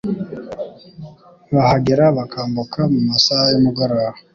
bahagera bakambuka mu masaha y'umugoroba